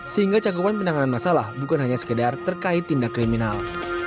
sehingga cakupan penanganan masalah bukan hanya sekedar terkait tindak kriminal